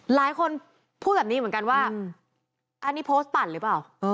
หลายคนพูดแบบนี้เหมือนกันว่าอันนี้โพสต์ปั่นหรือเปล่า